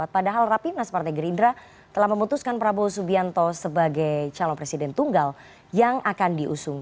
padahal rapimnas partai gerindra telah memutuskan prabowo subianto sebagai calon presiden tunggal yang akan diusung